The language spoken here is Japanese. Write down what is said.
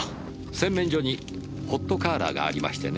洗面所にホットカーラーがありましてね。